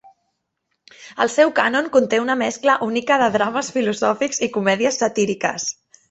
El seu cànon conté una mescla única de drames filosòfics i comèdies satíriques.